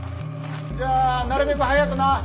じゃあなるべく早くな。